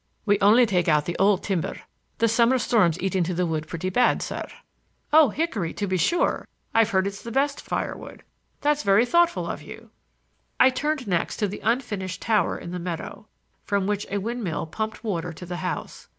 We only take out the old timber. The summer storms eat into the wood pretty bad, sir." "Oh, hickory, to be sure! I've heard it's the best firewood. That's very thoughtful of you." I turned next to the unfinished tower in the meadow, from which a windmill pumped water to the house.